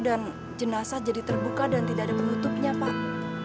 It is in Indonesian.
dan jenasah jadi terbuka dan tidak ada penutupnya pak